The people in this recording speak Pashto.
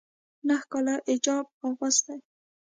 ا نهه کاله حجاب اغوستی